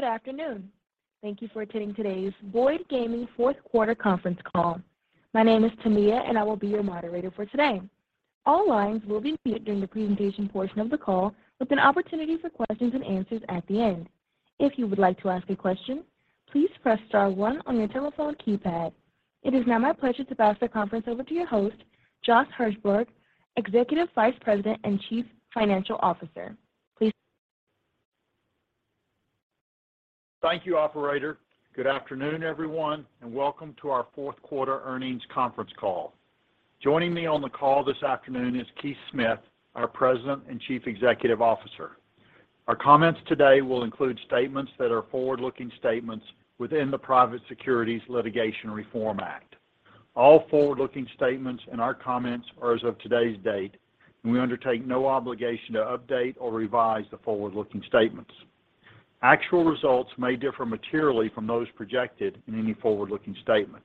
Good afternoon. Thank you for attending today's Boyd Gaming fourth quarter conference call. My name is Tamia, and I will be your moderator for today. All lines will be muted during the presentation portion of the call, with an opportunity for questions and answers at the end. If you would like to ask a question, please press star one on your telephone keypad. It is now my pleasure to pass the conference over to your host, Josh Hirsberg, Executive Vice President and Chief Financial Officer. Please begin. Thank you, operator. Good afternoon, everyone, and welcome to our fourth quarter earnings conference call. Joining me on the call this afternoon is Keith Smith, our President and Chief Executive Officer. Our comments today will include statements that are forward-looking statements within the Private Securities Litigation Reform Act. All forward-looking statements in our comments are as of today's date, and we undertake no obligation to update or revise the forward-looking statements. Actual results may differ materially from those projected in any forward-looking statement.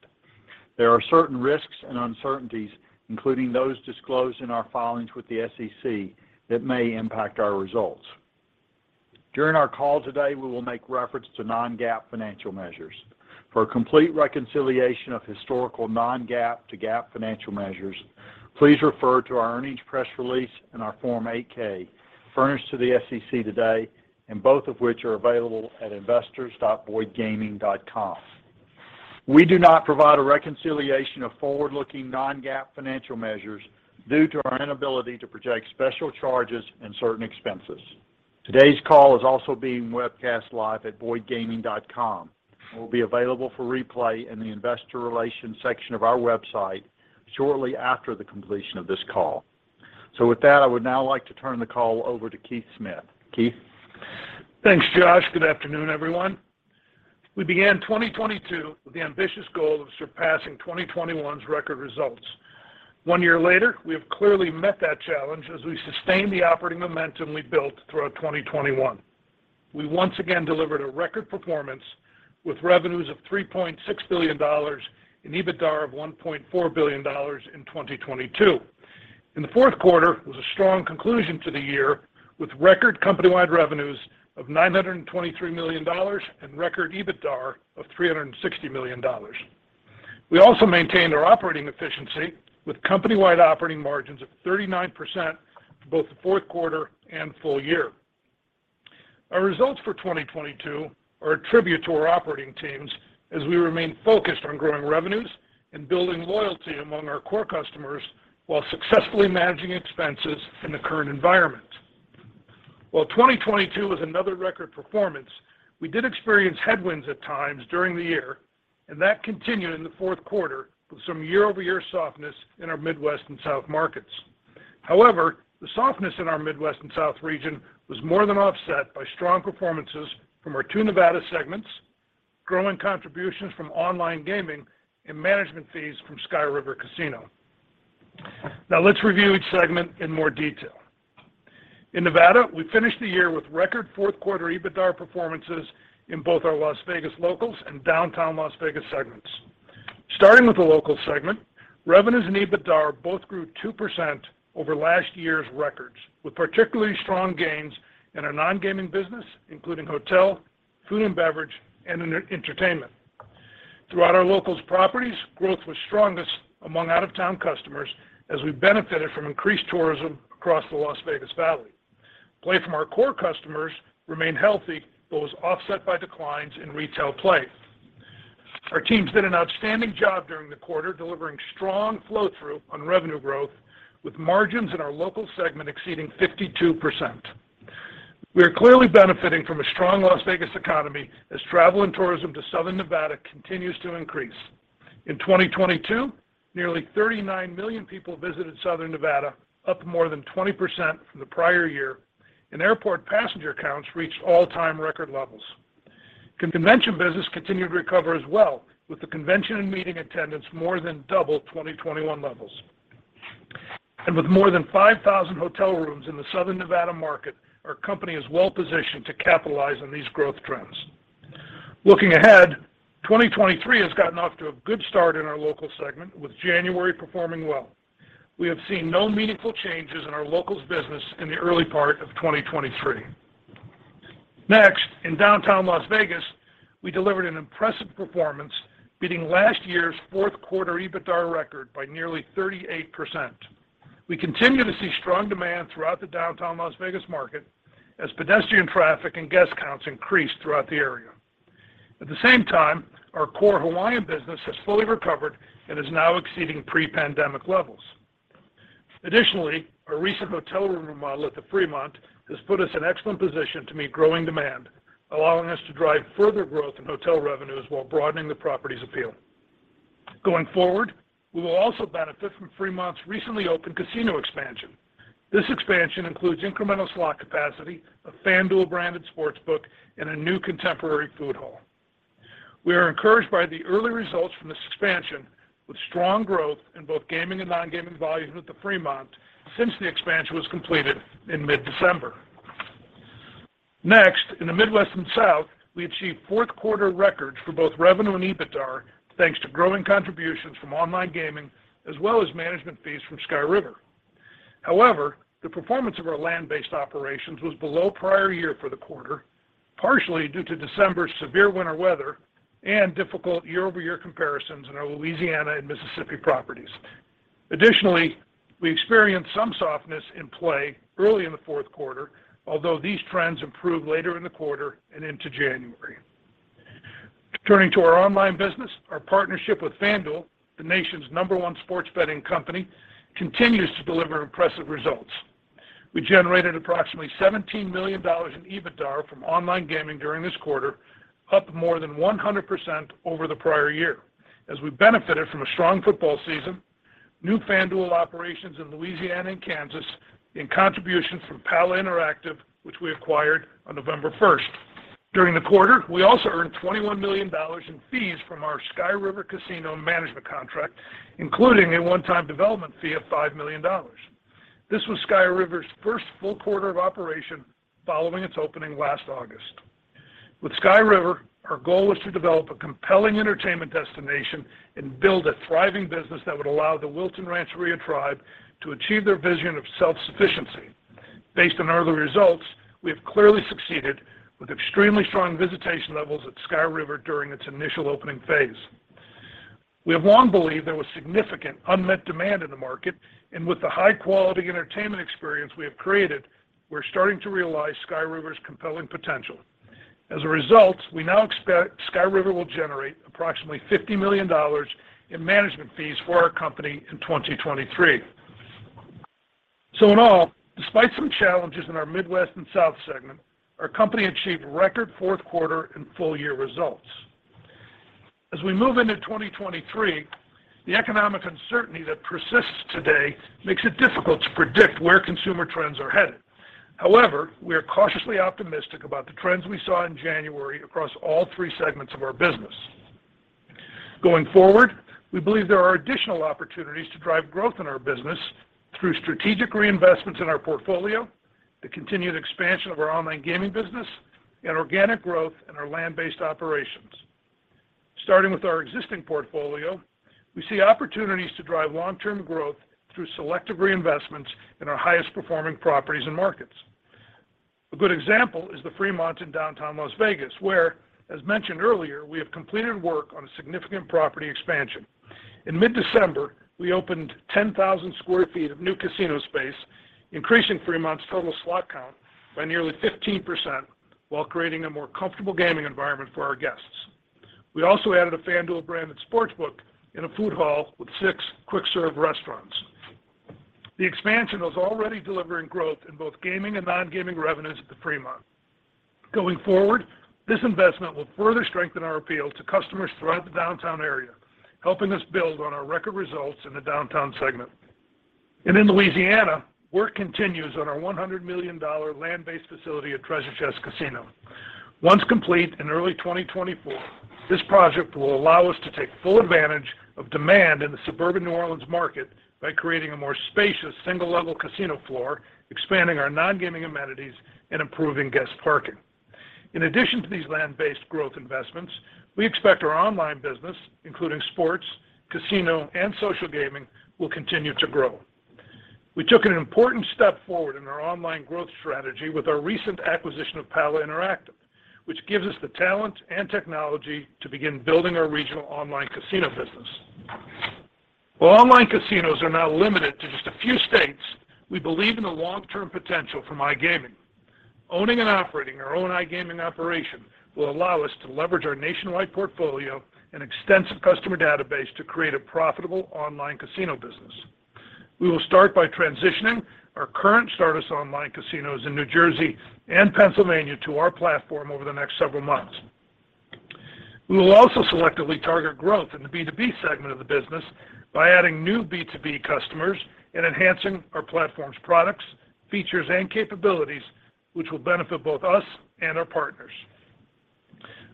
There are certain risks and uncertainties, including those disclosed in our filings with the SEC that may impact our results. During our call today, we will make reference to non-GAAP financial measures. For a complete reconciliation of historical non-GAAP to GAAP financial measures, please refer to our earnings press release and our Form 8-K, furnished to the SEC today, and both of which are available at investors.boydgaming.com. We do not provide a reconciliation of forward-looking non-GAAP financial measures due to our inability to project special charges and certain expenses. Today's call is also being webcast live at boydgaming.com and will be available for replay in the investor relations section of our website shortly after the completion of this call. With that, I would now like to turn the call over to Keith Smith. Keith? Thanks, Josh. Good afternoon, everyone. We began 2022 with the ambitious goal of surpassing 2021's record results. One year later, we have clearly met that challenge as we sustained the operating momentum we built throughout 2021. We once again delivered a record performance with revenues of $3.6 billion and EBITDAR of $1.4 billion in 2022. The fourth quarter was a strong conclusion to the year with record company-wide revenues of $923 million and record EBITDAR of $360 million. We also maintained our operating efficiency with company-wide operating margins of 39% for both the fourth quarter and full year. Our results for 2022 are a tribute to our operating teams as we remain focused on growing revenues and building loyalty among our core customers while successfully managing expenses in the current environment. While 2022 was another record performance, we did experience headwinds at times during the year. That continued in the fourth quarter with some year-over-year softness in our Midwest and South markets. However, the softness in our Midwest and South region was more than offset by strong performances from our two Nevada segments, growing contributions from online gaming and management fees from Sky River Casino. Now let's review each segment in more detail. In Nevada, we finished the year with record fourth quarter EBITDAR performances in both our Las Vegas Locals and Downtown Las Vegas segments. Starting with the Locals segment, revenues and EBITDAR both grew 2% over last year's records, with particularly strong gains in our non-gaming business, including hotel, food and beverage, and entertainment. Throughout our Locals properties, growth was strongest among out-of-town customers as we benefited from increased tourism across the Las Vegas Valley. Play from our core customers remained healthy, was offset by declines in retail play. Our teams did an outstanding job during the quarter, delivering strong flow-through on revenue growth, with margins in our Locals segment exceeding 52%. We are clearly benefiting from a strong Las Vegas economy as travel and tourism to Southern Nevada continues to increase. In 2022, nearly 39 million people visited Southern Nevada, up more than 20% from the prior year, airport passenger counts reached all-time record levels. Convention business continued to recover as well, with the convention and meeting attendance more than double 2021 levels. With more than 5,000 hotel rooms in the southern Nevada market, our company is well-positioned to capitalize on these growth trends. Looking ahead, 2023 has gotten off to a good start in our local segment, with January performing well. We have seen no meaningful changes in our locals business in the early part of 2023. Next, in downtown Las Vegas, we delivered an impressive performance, beating last year's fourth quarter EBITDAR record by nearly 38%. We continue to see strong demand throughout the downtown Las Vegas market as pedestrian traffic and guest counts increase throughout the area. At the same time, our core Hawaiian business has fully recovered and is now exceeding pre-pandemic levels. Our recent hotel room remodel at the Fremont has put us in excellent position to meet growing demand, allowing us to drive further growth in hotel revenues while broadening the property's appeal. Going forward, we will also benefit from Fremont's recently opened casino expansion. This expansion includes incremental slot capacity, a FanDuel-branded sports book, and a new contemporary food hall. We are encouraged by the early results from this expansion, with strong growth in both gaming and non-gaming volumes at the Fremont since the expansion was completed in mid-December. Next, in the Midwest and South, we achieved fourth quarter records for both revenue and EBITDAR thanks to growing contributions from online gaming as well as management fees from Sky River. However, the performance of our land-based operations was below prior year for the quarter, partially due to December's severe winter weather and difficult year-over-year comparisons in our Louisiana and Mississippi properties. Additionally, we experienced some softness in play early in the fourth quarter, although these trends improved later in the quarter and into January. Turning to our online business, our partnership with FanDuel, the nation's number one sports betting company, continues to deliver impressive results. We generated approximately $17 million in EBITDAR from online gaming during this quarter, up more than 100% over the prior year, as we benefited from a strong football season, new FanDuel operations in Louisiana and Kansas, and contributions from Pala Interactive, which we acquired on November 1. During the quarter, we also earned $21 million in fees from our Sky River Casino management contract, including a one-time development fee of $5 million. This was Sky River's first full quarter of operation following its opening last August. With Sky River, our goal was to develop a compelling entertainment destination and build a thriving business that would allow the Wilton Rancheria tribe to achieve their vision of self-sufficiency. Based on early results, we have clearly succeeded with extremely strong visitation levels at Sky River during its initial opening phase. We have long believed there was significant unmet demand in the market, and with the high-quality entertainment experience we have created, we're starting to realize Sky River's compelling potential. We now expect Sky River will generate approximately $50 million in management fees for our company in 2023. Despite some challenges in our Midwest and South segment, our company achieved record fourth quarter and full-year results. As we move into 2023, the economic uncertainty that persists today makes it difficult to predict where consumer trends are headed. However, we are cautiously optimistic about the trends we saw in January across all three segments of our business. Going forward, we believe there are additional opportunities to drive growth in our business through strategic reinvestments in our portfolio, the continued expansion of our online gaming business, and organic growth in our land-based operations. Starting with our existing portfolio, we see opportunities to drive long-term growth through selective reinvestments in our highest-performing properties and markets. A good example is the Fremont in downtown Las Vegas, where, as mentioned earlier, we have completed work on a significant property expansion. In mid-December, we opened 10,000 sq ft of new casino space, increasing Fremont's total slot count by nearly 15% while creating a more comfortable gaming environment for our guests. We also added a FanDuel-branded sportsbook and a food hall with six quick-serve restaurants. The expansion is already delivering growth in both gaming and non-gaming revenues at the Fremont. Going forward, this investment will further strengthen our appeal to customers throughout the downtown area, helping us build on our record results in the downtown segment. In Louisiana, work continues on our $100 million land-based facility at Treasure Chest Casino. Once complete in early 2024, this project will allow us to take full advantage of demand in the suburban New Orleans market by creating a more spacious, single-level casino floor, expanding our non-gaming amenities, and improving guest parking. In addition to these land-based growth investments, we expect our online business, including sports, casino, and social gaming, will continue to grow. We took an important step forward in our online growth strategy with our recent acquisition of Pala Interactive, which gives us the talent and technology to begin building our regional online casino business. While online casinos are now limited to just a few states, we believe in the long-term potential for iGaming. Owning and operating our own iGaming operation will allow us to leverage our nationwide portfolio and extensive customer database to create a profitable online casino business. We will start by transitioning our current Stardust online casinos in New Jersey and Pennsylvania to our platform over the next several months. We will also selectively target growth in the B2B segment of the business by adding new B2B customers and enhancing our platform's products, features, and capabilities, which will benefit both us and our partners.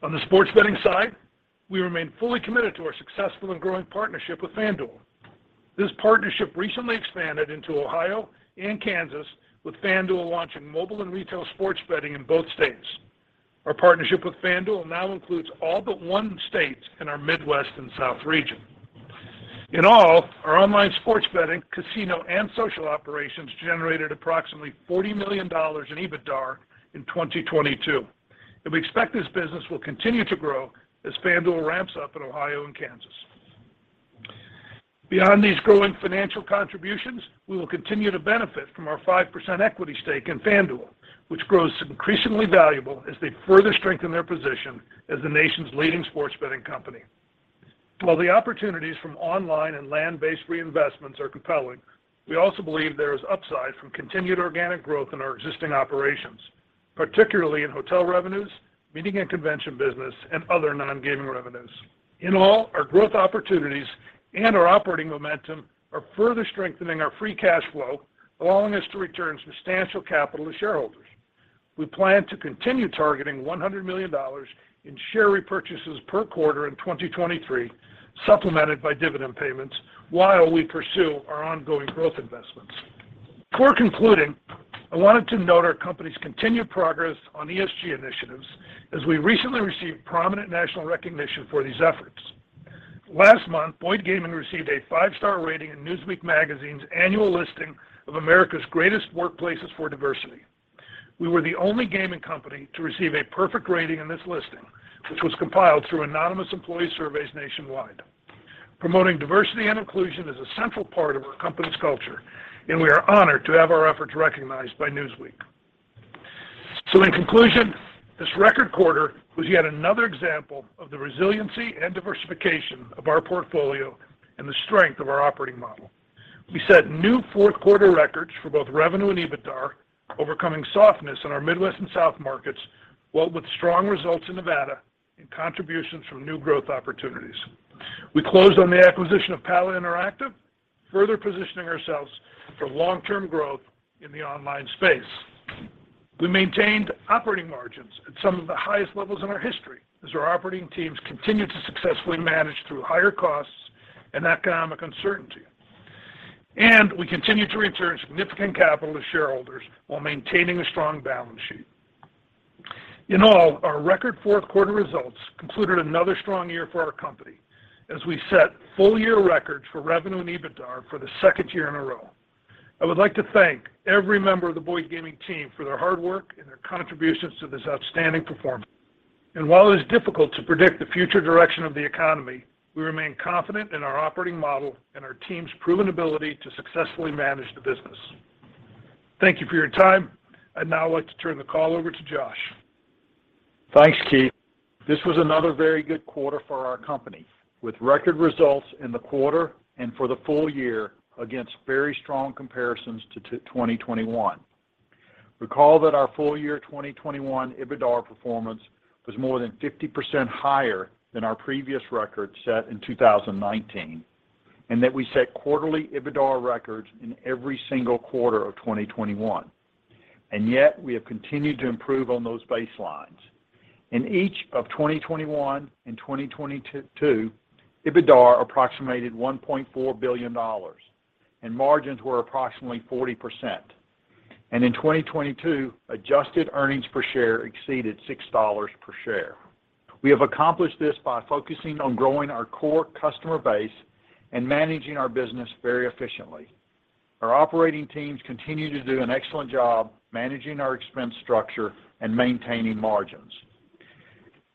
On the sports betting side, we remain fully committed to our successful and growing partnership with FanDuel. This partnership recently expanded into Ohio and Kansas, with FanDuel launching mobile and retail sports betting in both states. Our partnership with FanDuel now includes all but one state in our Midwest and South region. In all, our online sports betting, casino, and social operations generated approximately $40 million in EBITDAR in 2022, and we expect this business will continue to grow as FanDuel ramps up in Ohio and Kansas. Beyond these growing financial contributions, we will continue to benefit from our 5% equity stake in FanDuel, which grows increasingly valuable as they further strengthen their position as the nation's leading sports betting company. While the opportunities from online and land-based reinvestments are compelling, we also believe there is upside from continued organic growth in our existing operations, particularly in hotel revenues, meeting and convention business, and other non-gaming revenues. In all, our growth opportunities and our operating momentum are further strengthening our free cash flow, allowing us to return substantial capital to shareholders. We plan to continue targeting $100 million in share repurchases per quarter in 2023, supplemented by dividend payments while we pursue our ongoing growth investments. Before concluding, I wanted to note our company's continued progress on ESG initiatives as we recently received prominent national recognition for these efforts. Last month, Boyd Gaming received a five-star rating in Newsweek magazine's annual listing of America's greatest workplaces for diversity. We were the only gaming company to receive a perfect rating in this listing, which was compiled through anonymous employee surveys nationwide. Promoting diversity and inclusion is a central part of our company's culture, and we are honored to have our efforts recognized by Newsweek. In conclusion, this record quarter was yet another example of the resiliency and diversification of our portfolio and the strength of our operating model. We set new fourth quarter records for both revenue and EBITDAR, overcoming softness in our Midwest and South markets, while with strong results in Nevada and contributions from new growth opportunities. We closed on the acquisition of Pala Interactive, further positioning ourselves for long-term growth in the online space. We maintained operating margins at some of the highest levels in our history as our operating teams continued to successfully manage through higher costs and economic uncertainty. We continued to return significant capital to shareholders while maintaining a strong balance sheet. In all, our record fourth quarter results concluded another strong year for our company as we set full-year records for revenue and EBITDAR for the second year in a row. I would like to thank every member of the Boyd Gaming team for their hard work and their contributions to this outstanding performance. While it is difficult to predict the future direction of the economy, we remain confident in our operating model and our team's proven ability to successfully manage the business. Thank you for your time. I'd now like to turn the call over to Josh. Thanks, Keith. This was another very good quarter for our company, with record results in the quarter and for the full year against very strong comparisons to 2021. Recall that our full year 2021 EBITDAR performance was more than 50% higher than our previous record set in 2019, and that we set quarterly EBITDAR records in every single quarter of 2021. Yet, we have continued to improve on those baselines. In each of 2021 and 2022, EBITDAR approximated $1.4 billion, and margins were approximately 40%. In 2022, adjusted earnings per share exceeded $6 per share. We have accomplished this by focusing on growing our core customer base and managing our business very efficiently. Our operating teams continue to do an excellent job managing our expense structure and maintaining margins.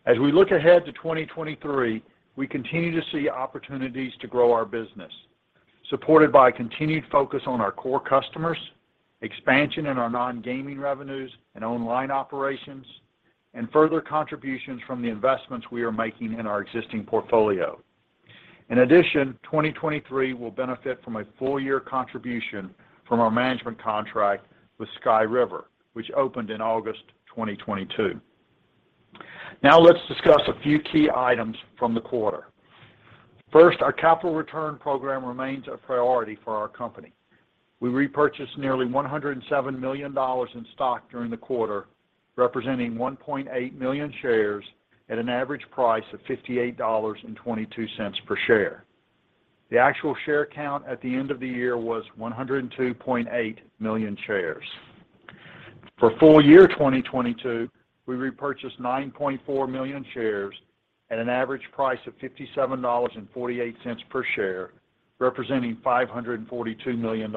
As we look ahead to 2023, we continue to see opportunities to grow our business, supported by a continued focus on our core customers, expansion in our non-gaming revenues and online operations, and further contributions from the investments we are making in our existing portfolio. In addition, 2023 will benefit from a full-year contribution from our management contract with Sky River, which opened in August 2022. Now let's discuss a few key items from the quarter. First, our capital return program remains a priority for our company. We repurchased nearly $107 million in stock during the quarter, representing 1.8 million shares at an average price of $58.22 per share. The actual share count at the end of the year was 102.8 million shares. For full year 2022, we repurchased 9.4 million shares at an average price of $57.48 per share, representing $542 million.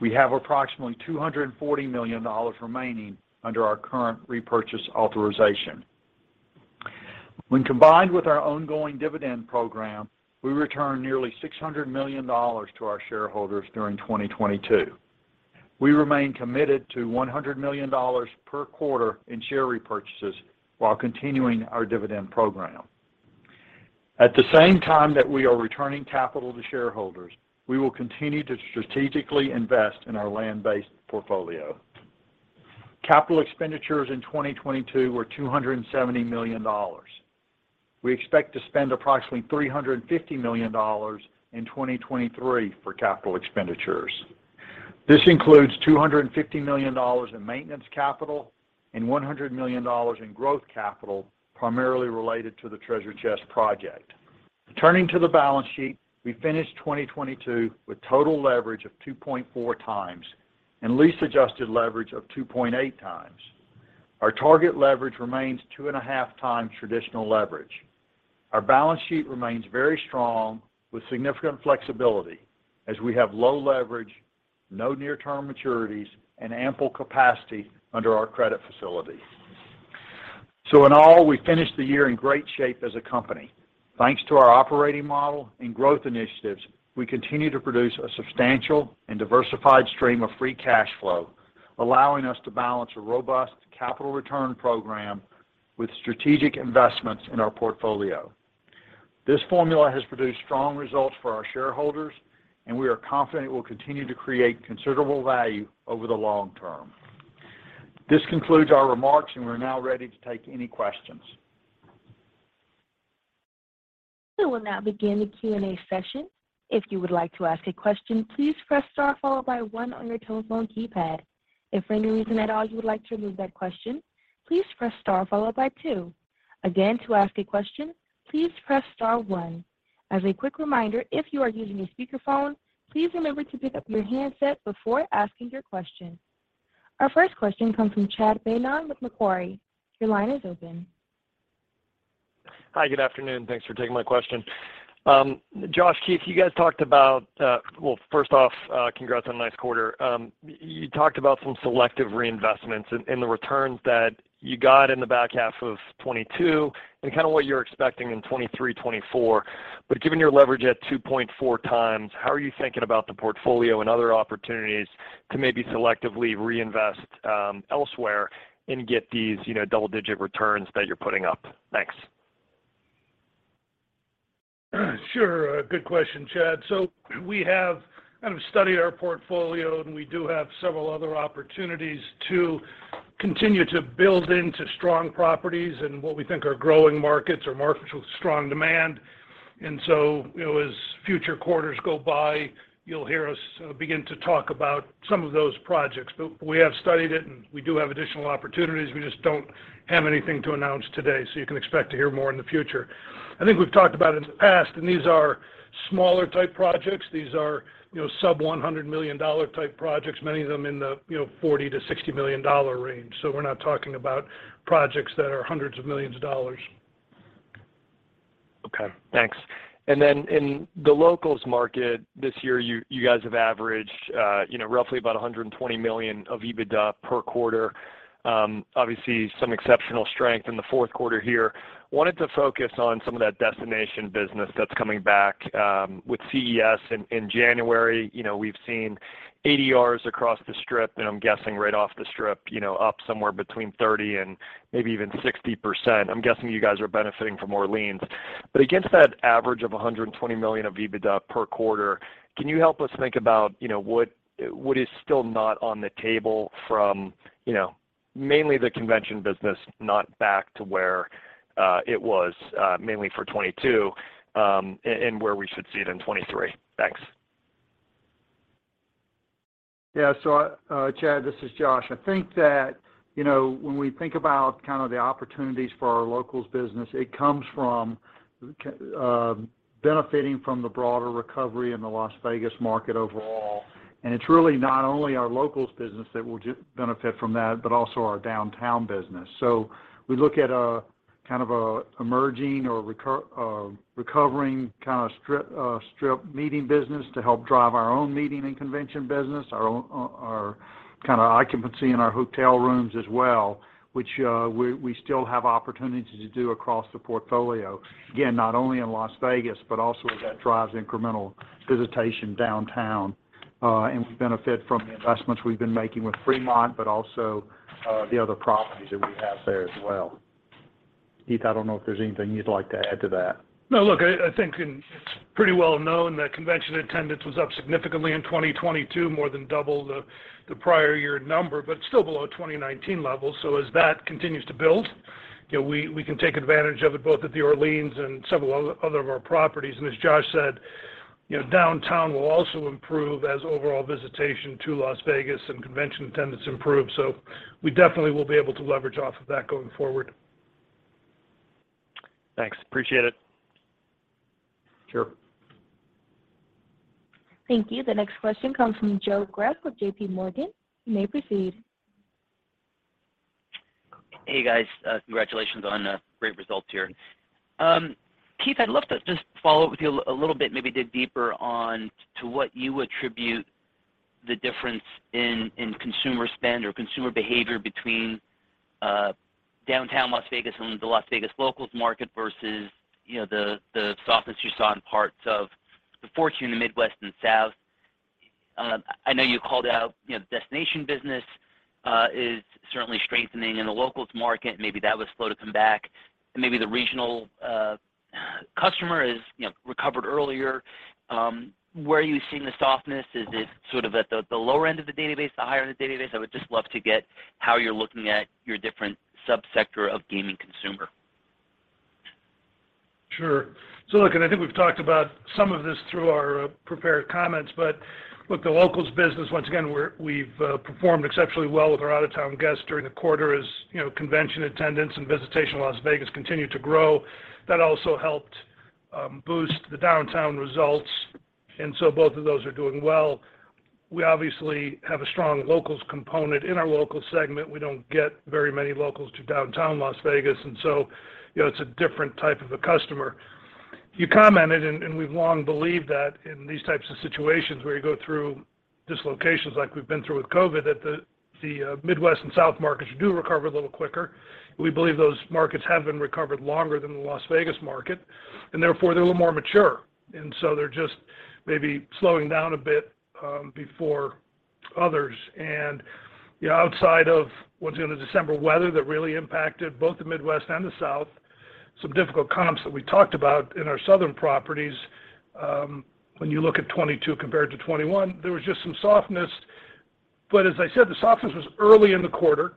We have approximately $240 million remaining under our current repurchase authorization. When combined with our ongoing dividend program, we returned nearly $600 million to our shareholders during 2022. We remain committed to $100 million per quarter in share repurchases while continuing our dividend program. At the same time that we are returning capital to shareholders, we will continue to strategically invest in our land-based portfolio. Capital expenditures in 2022 were $270 million. We expect to spend approximately $350 million in 2023 for capital expenditures. This includes $250 million in maintenance capital and $100 million in growth capital, primarily related to the Treasure Chest project. Returning to the balance sheet, we finished 2022 with total leverage of 2.4x and lease-adjusted leverage of 2.8x. Our target leverage remains 2.5x traditional leverage. Our balance sheet remains very strong with significant flexibility as we have low leverage, no near-term maturities, and ample capacity under our credit facility. In all, we finished the year in great shape as a company. Thanks to our operating model and growth initiatives, we continue to produce a substantial and diversified stream of free cash flow, allowing us to balance a robust capital return program with strategic investments in our portfolio. This formula has produced strong results for our shareholders. We are confident it will continue to create considerable value over the long term. This concludes our remarks. We're now ready to take any questions. We will now begin the Q&A session. If you would like to ask a question, please press star followed by one on your telephone keypad. If for any reason at all you would like to remove that question, please press star followed by two. Again, to ask a question, please press star one. As a quick reminder, if you are using a speakerphone, please remember to pick up your handset before asking your question. Our first question comes from Chad Beynon with Macquarie. Your line is open. Hi, good afternoon. Thanks for taking my question. Josh, Keith, you guys talked about, well, first off, congrats on a nice quarter. You talked about some selective reinvestments in the returns that you got in the back half of 2022 and kinda what you're expecting in 2023, 2024. Given your leverage at 2.4x, how are you thinking about the portfolio and other opportunities to maybe selectively reinvest, elsewhere and get these, you know, double-digit returns that you're putting up? Thanks. Sure. A good question, Chad. We have kind of studied our portfolio, and we do have several other opportunities to continue to build into strong properties in what we think are growing markets or markets with strong demand. You know, as future quarters go by, you'll hear us begin to talk about some of those projects. We have studied it, and we do have additional opportunities. We just don't have anything to announce today, so you can expect to hear more in the future. I think we've talked about it in the past, and these are smaller type projects. These are, you know, sub-$100 million type projects, many of them in the, you know, $40 million-$60 million range. We're not talking about projects that are hundreds of millions of dollars. Okay. Thanks. Then in the locals market this year, you guys have averaged, you know, roughly about $120 million of EBITDA per quarter. Obviously some exceptional strength in the fourth quarter here. Wanted to focus on some of that destination business that's coming back, with CES in January. You know, we've seen ADRs across The Strip, and I'm guessing right off The Strip, you know, up somewhere between 30% and maybe even 60%. I'm guessing you guys are benefiting from Orleans. Against that average of $120 million of EBITDA per quarter, can you help us think about, you know, what is still not on the table from, you know, mainly the convention business not back to where it was, mainly for 2022, and where we should see it in 2023? Thanks. Yeah. Chad, this is Josh. I think that, you know, when we think about kind of the opportunities for our locals business, it comes from benefiting from the broader recovery in the Las Vegas market overall. It's really not only our locals business that will benefit from that, but also our downtown business. We look at a, kind of a emerging or a recovering kind of Strip meeting business to help drive our own meeting and convention business, our own, our kind of occupancy in our hotel rooms as well, which we still have opportunities to do across the portfolio. Again, not only in Las Vegas but also as that drives incremental visitation downtown. We benefit from the investments we've been making with Fremont, but also, the other properties that we have there as well. Keith, I don't know if there's anything you'd like to add to that? No, look, I think and it's pretty well known that convention attendance was up significantly in 2022, more than double the prior year number, but still below 2019 levels. As that continues to build, you know, we can take advantage of it both at the Orleans and several other of our properties. As Josh said, you know, downtown will also improve as overall visitation to Las Vegas and convention attendance improve. We definitely will be able to leverage off of that going forward. Thanks. Appreciate it. Sure. Thank you. The next question comes from Joe Greff with J.P. Morgan. You may proceed. Hey, guys. Congratulations on great results here. Keith, I'd love to just follow up with you a little bit, maybe dig deeper on to what you attribute the difference in consumer spend or consumer behavior between downtown Las Vegas and the Las Vegas locals market versus the softness you saw in parts of the Fortune, the Midwest, and South. I know you called out destination business is certainly strengthening in the locals market. Maybe that was slow to come back, and maybe the regional customer is recovered earlier. Where are you seeing the softness? Is it sort of at the lower end of the database, the higher end of the database? I would just love to get how you're looking at your different sub-sector of gaming consumer. Sure. Look, I think we've talked about some of this through our prepared comments. Look, the locals business, once again, we've performed exceptionally well with our out-of-town guests during the quarter as, you know, convention attendance and visitation in Las Vegas continued to grow. That also helped boost the downtown results. Both of those are doing well. We obviously have a strong locals component in our locals segment. We don't get very many locals to downtown Las Vegas, you know, it's a different type of a customer. You commented, we've long believed that in these types of situations where you go through dislocations like we've been through with COVID, that the Midwest and South markets do recover a little quicker. We believe those markets have been recovered longer than the Las Vegas market, therefore, they're a little more mature. They're just maybe slowing down a bit before others. You know, outside of what's going to December weather that really impacted both the Midwest and the South, some difficult comps that we talked about in our Southern properties, when you look at 2022 compared to 2021, there was just some softness. As I said, the softness was early in the quarter,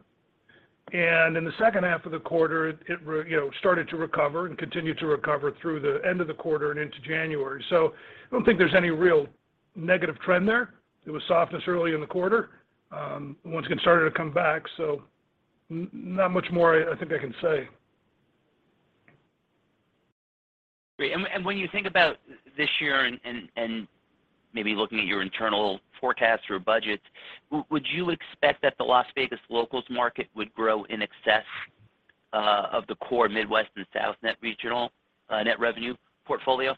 and in the second half of the quarter, it started to recover and continued to recover through the end of the quarter and into January. I don't think there's any real negative trend there. There was softness early in the quarter, and once again started to come back, so not much more I think I can say. Great. When you think about this year and maybe looking at your internal forecasts or budgets, would you expect that the Las Vegas locals market would grow in excess of the core Midwest and South net regional net revenue portfolio?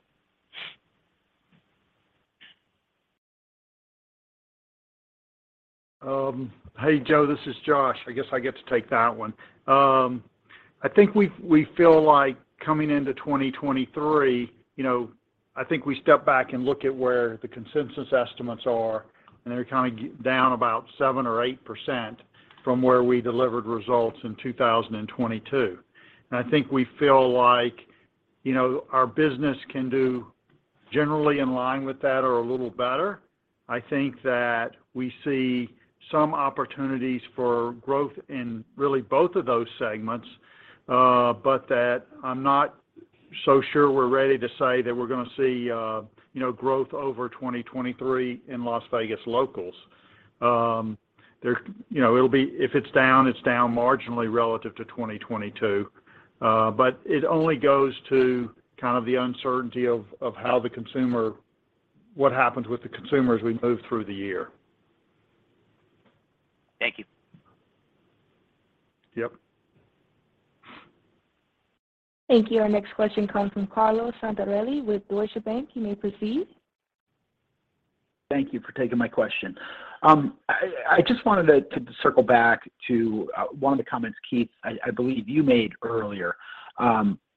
Hey, Joe, this is Josh. I guess I get to take that one. I think we feel like coming into 2023, you know, I think we step back and look at where the consensus estimates are, they're kind of down about 7% or 8% from where we delivered results in 2022. I think we feel like, you know, our business can do generally in line with that or a little better. I think that we see some opportunities for growth in really both of those segments, but that I'm not so sure we're ready to say that we're gonna see, you know, growth over 2023 in Las Vegas locals. You know, if it's down, it's down marginally relative to 2022. It only goes to kind of the uncertainty of what happens with the consumer as we move through the year. Thank you. Yep. Thank you. Our next question comes from Carlo Santarelli with Deutsche Bank. You may proceed. Thank you for taking my question. I just wanted to circle back to one of the comments, Keith, I believe you made earlier.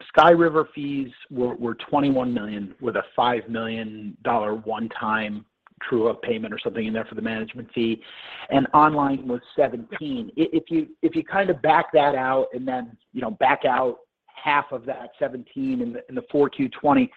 Sky River fees were $21 million with a $5 million one-time true-up payment or something in there for the management fee, and online was $17. If you kind of back that out and then, you know, back out half of that $17 in the 4Q 2020,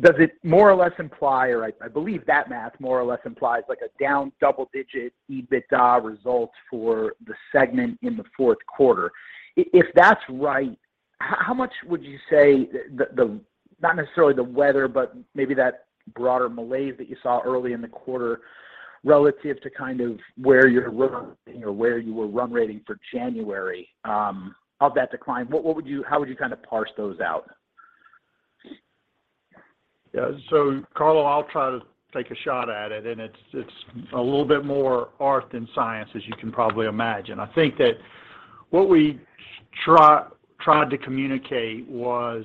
does it more or less imply, or I believe that math more or less implies like a down double-digit EBITDA results for the segment in the fourth quarter. If that's right, how much would you say the not necessarily the weather, but maybe that broader malaise that you saw early in the quarter relative to kind of where you're run rating or where you were run rating for January, of that decline? How would you kind of parse those out? Carlos, I'll try to take a shot at it, and it's a little bit more art than science, as you can probably imagine. I think that what we tried to communicate was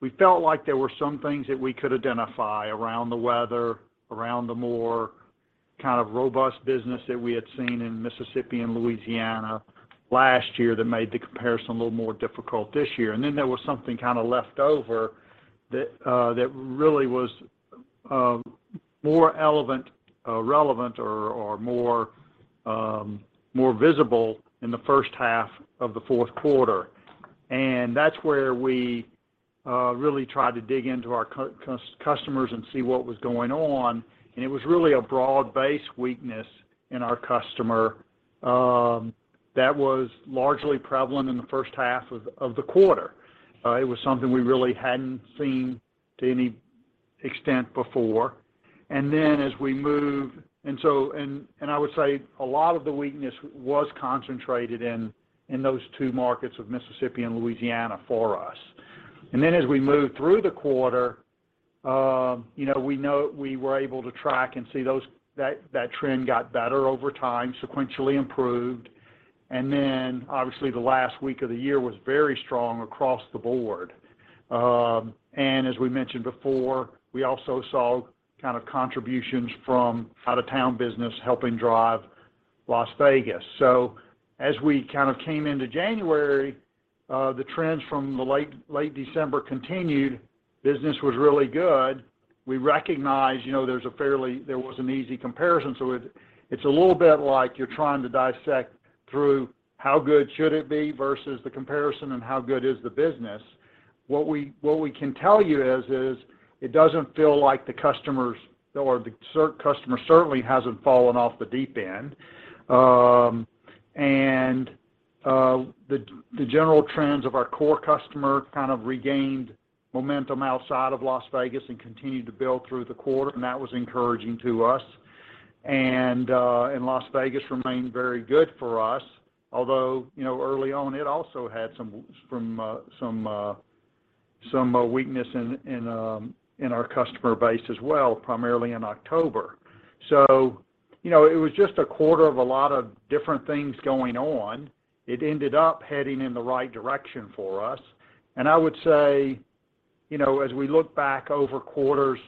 we felt like there were some things that we could identify around the weather, around the more kind of robust business that we had seen in Mississippi and Louisiana last year that made the comparison a little more difficult this year. There was something kind of left over that really was more relevant or more visible in the first half of the fourth quarter. That's where we really tried to dig into our customers and see what was going on. It was really a broad-based weakness in our customer that was largely prevalent in the first half of the quarter. It was something we really hadn't seen to any extent before. I would say a lot of the weakness was concentrated in those two markets of Mississippi and Louisiana for us. As we moved through the quarter, you know, we were able to track and see that trend got better over time, sequentially improved. Obviously, the last week of the year was very strong across the board. As we mentioned before, we also saw kind of contributions from out-of-town business helping drive Las Vegas. As we kind of came into January, the trends from the late December continued. Business was really good. We recognize, you know, there was an easy comparison, so it's a little bit like you're trying to dissect through how good should it be versus the comparison and how good is the business. What we can tell you is it doesn't feel like the customers or the customer certainly hasn't fallen off the deep end. The general trends of our core customer kind of regained momentum outside of Las Vegas and continued to build through the quarter, and that was encouraging to us. Las Vegas remained very good for us, although, you know, early on, it also had some weakness in our customer base as well, primarily in October. You know, it was just a quarter of a lot of different things going on. It ended up heading in the right direction for us. I would say, you know, as we look back over quarters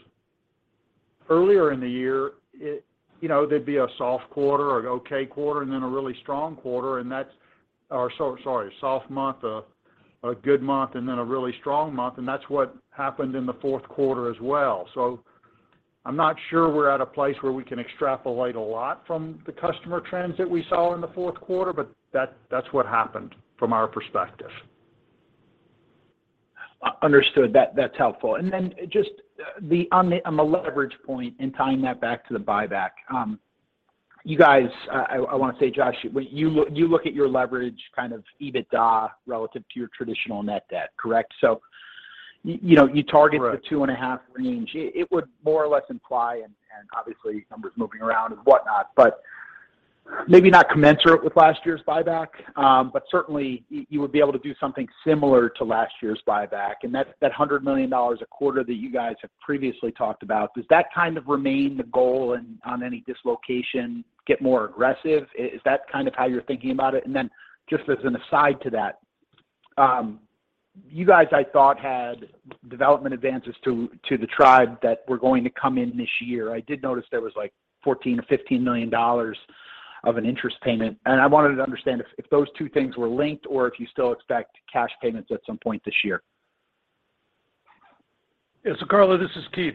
earlier in the year, you know, there'd be a soft quarter or an okay quarter and then a really strong quarter, sorry, a soft month, a good month, and then a really strong month, and that's what happened in the fourth quarter as well. I'm not sure we're at a place where we can extrapolate a lot from the customer trends that we saw in the fourth quarter, but that's what happened from our perspective. Understood. That's helpful. Just on the leverage point and tying that back to the buyback. You guys, I wanna say, Josh, when you look at your leverage kind of EBITDA relative to your traditional net debt, correct? You know, you target Right... the two and a half range. It would more or less imply and obviously numbers moving around and whatnot. Maybe not commensurate with last year's buyback, but certainly you would be able to do something similar to last year's buyback. That $100 million a quarter that you guys have previously talked about, does that kind of remain the goal and on any dislocation get more aggressive? Is that kind of how you're thinking about it? Just as an aside to that, you guys I thought had development advances to the tribe that were going to come in this year. I did notice there was like $14 million or $15 million of an interest payment. I wanted to understand if those two things were linked or if you still expect cash payments at some point this year. Yeah. Carlo, this is Keith.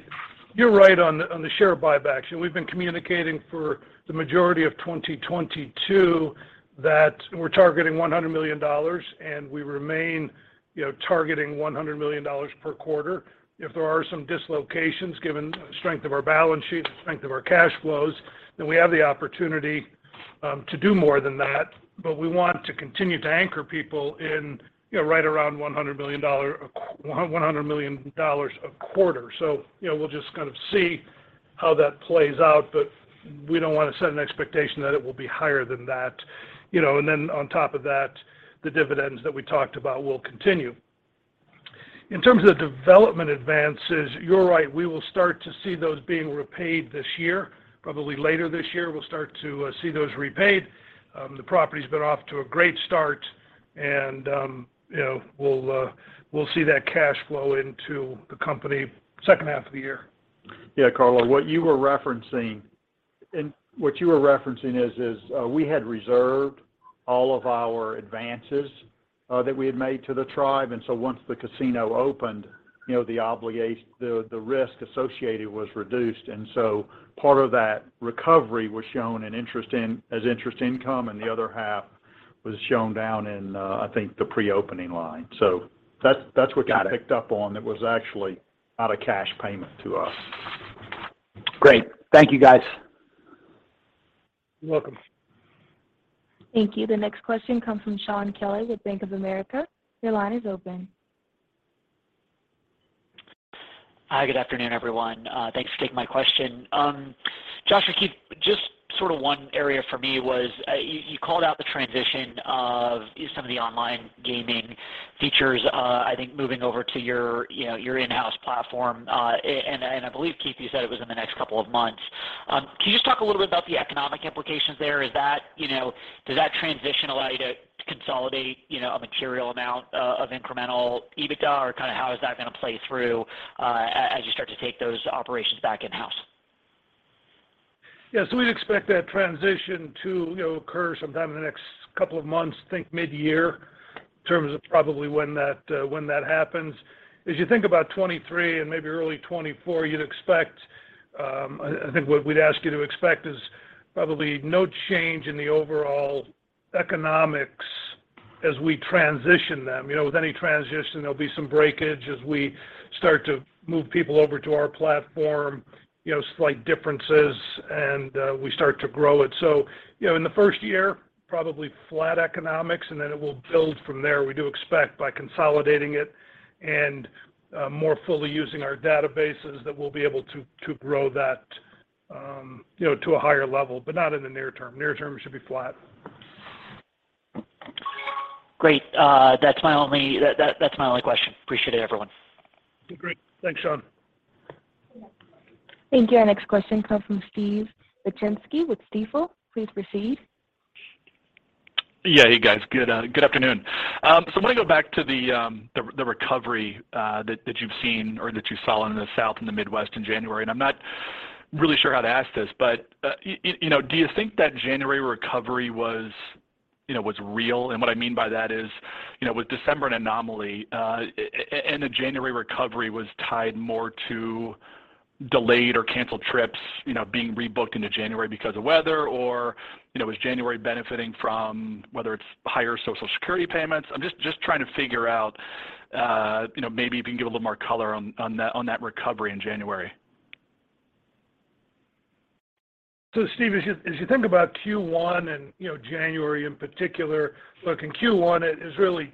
You're right on the share buybacks. We've been communicating for the majority of 2022 that we're targeting $100 million, and we remain, you know, targeting $100 million per quarter. If there are some dislocations, given the strength of our balance sheet, the strength of our cash flows, then we have the opportunity to do more than that. We want to continue to anchor people in, you know, right around $100 million a quarter. We'll just kind of see how that plays out, but we don't wanna set an expectation that it will be higher than that. On top of that, the dividends that we talked about will continue. In terms of the development advances, you're right. We will start to see those being repaid this year. Probably later this year, we'll start to see those repaid. The property's been off to a great start and, you know, we'll see that cash flow into the company second half of the year. Yeah. Carlo, what you were referencing is, we had reserved all of our advances that we had made to the tribe. Once the casino opened, you know, the risk associated was reduced. Part of that recovery was shown as interest income, and the other half was shown down in, I think the pre-opening line. That's what- Got it. You picked up on. That was actually not a cash payment to us. Great. Thank you, guys. You're welcome. Thank you. The next question comes from Shaun Kelley with Bank of America. Your line is open. Hi, good afternoon, everyone. Thanks for taking my question. Josh or Keith, just sort of one area for me was, you called out the transition of some of the online gaming features, I think moving over to your, you know, your in-house platform. I believe, Keith, you said it was in the next couple of months. Can you just talk a little bit about the economic implications there? Is that? You know, does that transition allow you to consolidate, you know, a material amount of incremental EBITDA, or kinda how is that gonna play through as you start to take those operations back in-house? Yeah. We'd expect that transition to, you know, occur sometime in the next couple of months. Think mid-year in terms of probably when that, when that happens. As you think about 2023 and maybe early 2024, you'd expect, I think what we'd ask you to expect is probably no change in the overall economics as we transition them. You know, with any transition, there'll be some breakage as we start to move people over to our platform, you know, slight differences, and we start to grow it. You know, in the first year, probably flat economics, and then it will build from there. We do expect by consolidating it and more fully using our databases that we'll be able to grow that, you know, to a higher level, but not in the near term. Near term should be flat. Great. That's my only question. Appreciate it, everyone. Great. Thanks, Sean. Thank you. Our next question comes from Steven Wieczynski with Stifel. Please proceed. Hey, guys. Good afternoon. I wanna go back to the recovery that you've seen or that you saw in the South and the Midwest in January. I'm not really sure how to ask this, you know, do you think that January recovery was, you know, was real? What I mean by that is, you know, was December an anomaly? The January recovery was tied more to delayed or canceled trips, you know, being rebooked into January because of weather, or, you know, was January benefiting from whether it's higher Social Security payments? I'm just trying to figure out, you know, maybe if you can give a little more color on that recovery in January. Steve, as you think about Q1 and, you know, January in particular, look, in Q1, it is really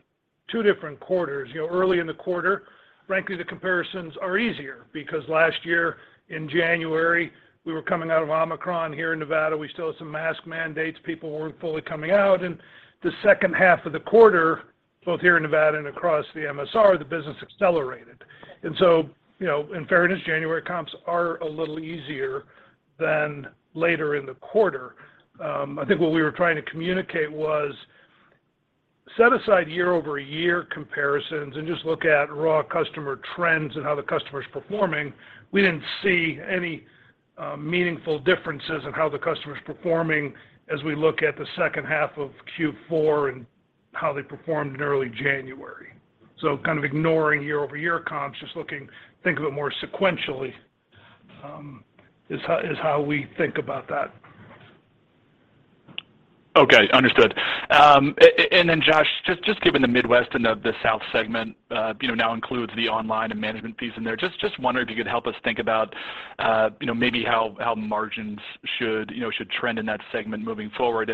2 different quarters. You know, early in the quarter, frankly, the comparisons are easier because last year in January, we were coming out of Omicron here in Nevada. We still had some mask mandates. People weren't fully coming out. The second half of the quarter, both here in Nevada and across the MSR, the business accelerated. You know, in fairness, January comps are a little easier than later in the quarter. I think what we were trying to communicate was set aside year-over-year comparisons and just look at raw customer trends and how the customer is performing. We didn't see any meaningful differences in how the customer is performing as we look at the second half of Q4 and how they performed in early January. kind of ignoring year-over-year comps, just think of it more sequentially, is how we think about that. Okay. Understood. Josh, just given the Midwest and the South segment now includes the online and management fees in there. Just wondering if you could help us think about maybe how margins should trend in that segment moving forward.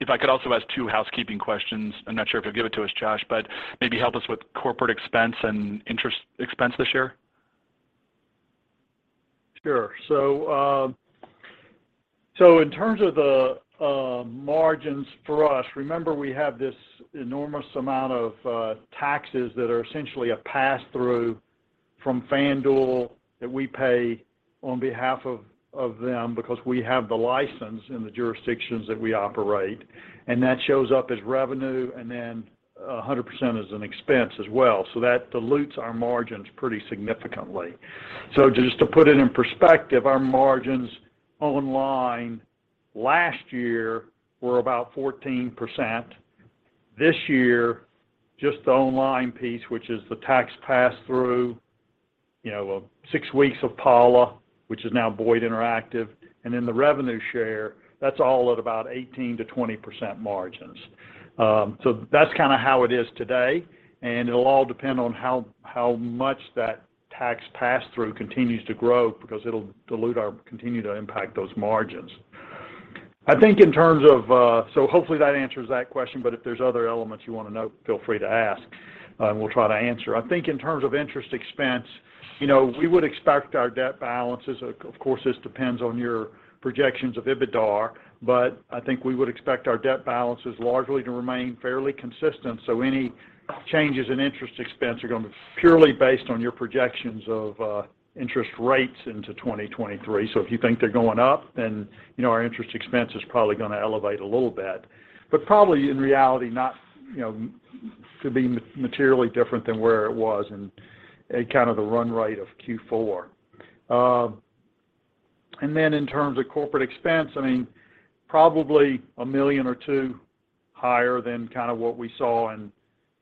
If I could also ask 2 housekeeping questions. I'm not sure if you'll give it to us, Josh, but maybe help us with corporate expense and interest expense this year. Sure. In terms of the margins for us, remember we have this enormous amount of taxes that are essentially a pass-through from FanDuel that we pay on behalf of them because we have the license in the jurisdictions that we operate, and that shows up as revenue and then 100% as an expense as well. That dilutes our margins pretty significantly. Just to put it in perspective, our margins online last year were about 14%. This year, just the online piece, which is the tax pass-through, you know, 6 weeks of Pala, which is now Boyd Interactive, and then the revenue share, that's all at about 18%-20% margins. That's kinda how it is today, and it'll all depend on how much that tax pass-through continues to grow because it'll continue to impact those margins. I think in terms of hopefully, that answers that question, but if there's other elements you wanna know, feel free to ask, and we'll try to answer. I think in terms of interest expense, you know, we would expect our debt balances, of course, this depends on your projections of EBITDAR, but I think we would expect our debt balances largely to remain fairly consistent, so any changes in interest expense are gonna be purely based on your projections of interest rates into 2023. If you think they're going up, then, you know, our interest expense is probably gonna elevate a little bit. Probably in reality, not, you know, to be materially different than where it was in kind of the run rate of Q4. In terms of corporate expense, I mean, probably $1 million or $2 million higher than kind of what we saw in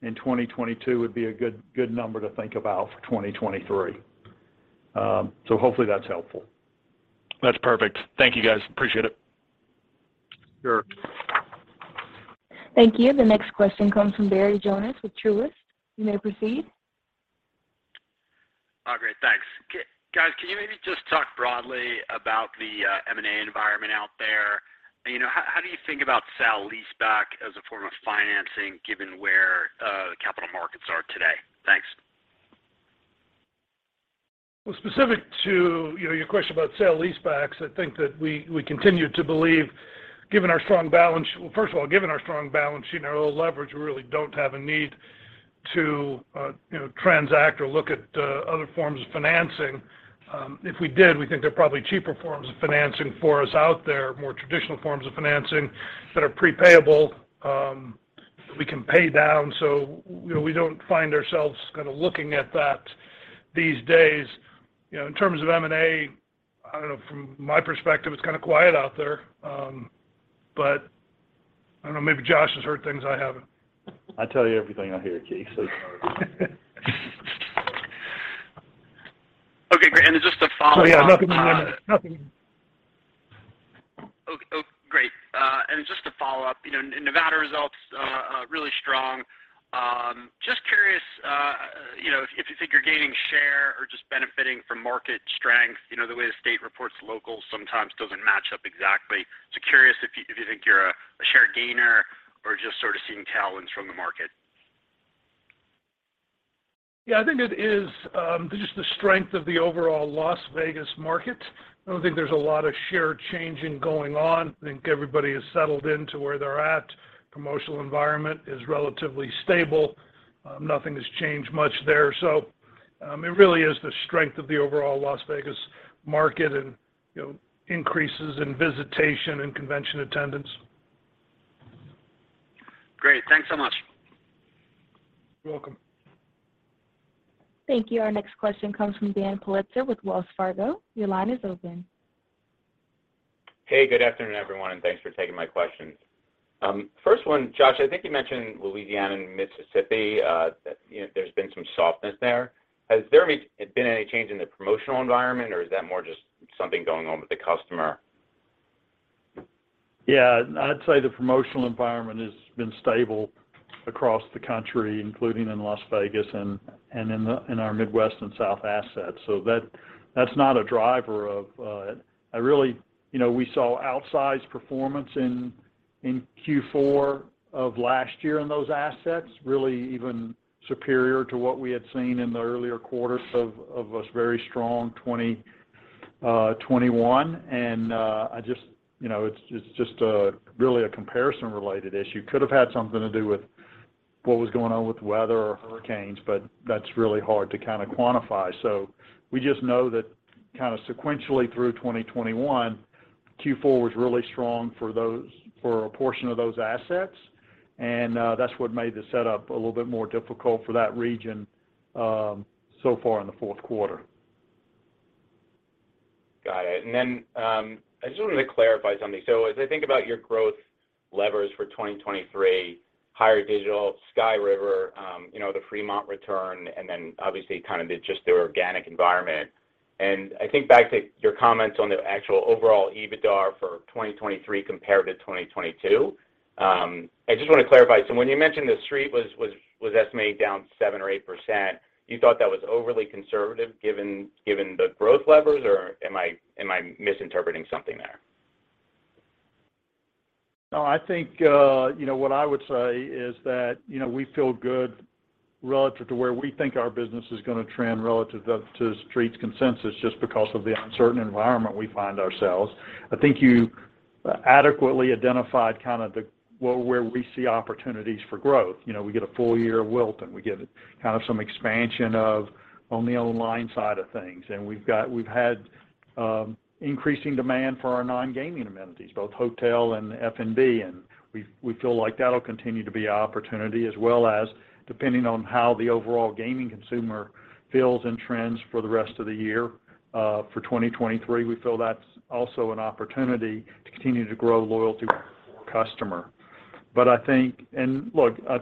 2022 would be a good number to think about for 2023. Hopefully that's helpful. That's perfect. Thank you, guys. Appreciate it. Sure. Thank you. The next question comes from Barry Jonas with Truist. You may proceed. Oh, great. Thanks. Guys, can you maybe just talk broadly about the M&A environment out there? You know, how do you think about sale-leaseback as a form of financing given where the capital markets are today? Thanks. Well, specific to, you know, your question about sale-leasebacks, I think that we continue to believe, given our strong balance sheet and our low leverage, we really don't have a need to, you know, transact or look at other forms of financing. If we did, we think there are probably cheaper forms of financing for us out there, more traditional forms of financing that are pre-payable, we can pay down. You know, we don't find ourselves kinda looking at that these days. You know, in terms of M&A, I don't know, from my perspective, it's kinda quiet out there. I don't know, maybe Josh has heard things I haven't. I tell you everything I hear, Keith, so. Okay, great. Just to follow up. Yeah, nothing. Great. Just to follow up, you know, Nevada results really strong. Just curious, you know, if you think you're gaining share or just benefiting from market strength. You know, the way the state reports local sometimes doesn't match up exactly. Curious if you think you're a share gainer or just sort of seeing talons from the market. Yeah, I think it is, just the strength of the overall Las Vegas market. I don't think there's a lot of share changing going on. I think everybody is settled into where they're at. Promotional environment is relatively stable. Nothing has changed much there. It really is the strength of the overall Las Vegas market and, you know, increases in visitation and convention attendance. Great. Thanks so much. You're welcome. Thank you. Our next question comes from Dan Politzer with Wells Fargo. Your line is open. Good afternoon, everyone, thanks for taking my questions. First one, Josh, I think you mentioned Louisiana and Mississippi, that, you know, there's been some softness there. Has there been any change in the promotional environment, or is that more just something going on with the customer? Yeah. I'd say the promotional environment has been stable across the country, including in Las Vegas and in our Midwest and South assets. That's not a driver of. You know, we saw outsized performance in Q4 of last year in those assets, really even superior to what we had seen in the earlier quarters of a very strong 2021. You know, it's just a really a comparison related issue. Could have had something to do with what was going on with weather or hurricanes, that's really hard to kinda quantify. We just know that kinda sequentially through 2021, Q4 was really strong for a portion of those assets, and that's what made the setup a little bit more difficult for that region, so far in the fourth quarter. Got it. I just wanted to clarify something. As I think about your growth levers for 2023, higher digital, Sky River, you know, the Fremont return, and then obviously kind of the just the organic environment. I think back to your comments on the actual overall EBITDAR for 2023 compared to 2022, I just wanna clarify. When you mentioned the Street was estimated down 7% or 8%, you thought that was overly conservative given the growth levers, or am I misinterpreting something there? I think, you know, what I would say is that, you know, we feel good relative to where we think our business is going to trend relative to Street's consensus, just because of the uncertain environment we find ourselves. I think you adequately identified kind of where we see opportunities for growth. You know, we get a full year of Wilton, we get kind of some expansion of on the online side of things. We've had increasing demand for our non-gaming amenities, both hotel and F&B, and we feel like that will continue to be an opportunity as well as depending on how the overall gaming consumer feels and trends for the rest of the year for 2023. We feel that is also an opportunity to continue to grow loyalty with the customer. I